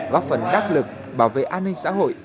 góp phần đắc lực bảo vệ an ninh xã hội